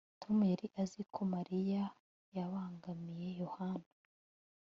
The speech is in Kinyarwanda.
Tom yari azi ko Mariya yabangamiye Yohana